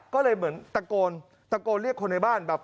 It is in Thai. ก็เลยเหมือนตะโกนตะโกนเรียกคนในบ้านแบบ